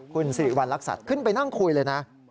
คุณสิริวัณรักษัตริย์ขึ้นไปนั่งคุยเลยนะ